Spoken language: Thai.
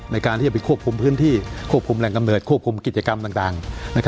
ในการที่จะไปควบคุมพื้นที่ควบคุมแรงกำเนิดควบคุมกิจกรรมต่าง